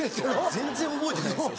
全然覚えてないですよ